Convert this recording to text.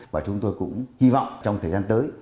và chúng tôi cũng hy vọng trong thời gian tới